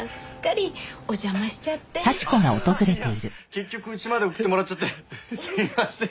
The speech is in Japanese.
結局家まで送ってもらっちゃってすいません。